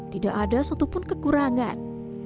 tidak ada satupun kekurangan